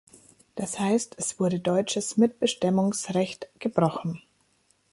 Das heißt, es wurde deutsches Mitbestimmungsrecht gebrochen.